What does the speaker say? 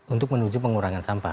untuk menuju pengurangan sampah